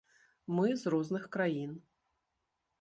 Мы з розных краін.